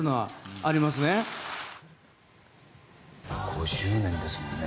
５０年ですもんね。